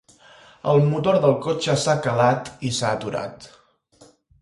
El motor del cotxe s'ha calat i s'ha aturat.